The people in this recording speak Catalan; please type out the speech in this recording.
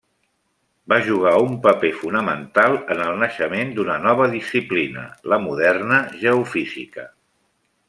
Va jugar un paper fonamental en el naixement d'una nova disciplina: la moderna geofísica.